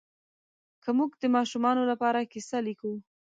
که موږ د ماشومانو لپاره کیسه لیکو